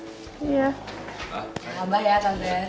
kehabah ya tante